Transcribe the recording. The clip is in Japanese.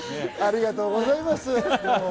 ありがとうございます。